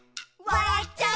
「わらっちゃう」